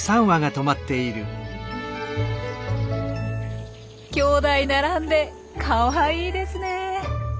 きょうだい並んでかわいいですねえ。